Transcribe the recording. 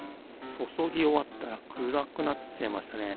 注ぎ終わったら暗くなっちゃいましたね。